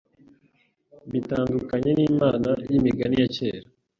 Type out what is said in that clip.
Bitandukanye nimana yimigani ya kera,